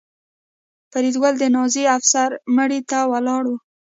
فریدګل د نازي افسر مړي ته ولاړ و